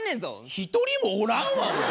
一人もおらんわ！